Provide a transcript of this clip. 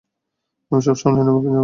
আমি সব সামলে নেব, চিন্তা করো না।